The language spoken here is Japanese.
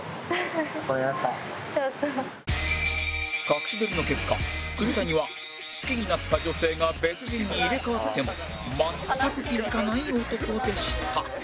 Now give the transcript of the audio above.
隠し撮りの結果栗谷は好きになった女性が別人に入れ替わっても全く気付かない男でした